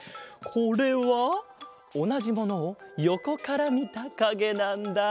これはおなじものをよこからみたかげなんだ。